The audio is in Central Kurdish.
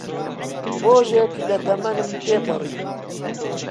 ڕۆژێک لە تەمەنم تێپەڕی